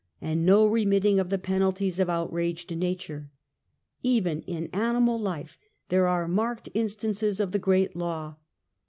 And no remitting of the penalties of outraged nature. Even in animal life there are marked instances of the great law.